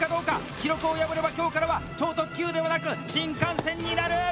記録を破れば今日からは「超特急」ではなく「新幹線」になる！